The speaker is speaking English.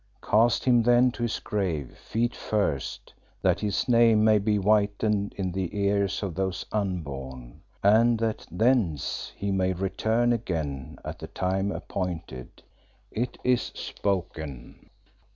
Cast him then to his grave feet first that his name may be whitened in the ears of those unborn, and that thence he may return again at the time appointed. It is spoken."